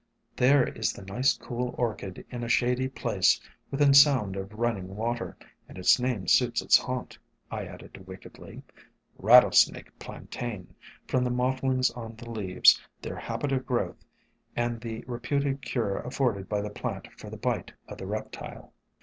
"There is the nice cool Orchid in a shady place within sound of running SOME HUMBLE ORCHIDS 155 water, and its name suits its haunt," I added wickedly, — "Rattlesnake Plantain, from the mot tlings on the leaves, their habit of growth, and the reputed cure afforded by the plant for the bite of the reptile."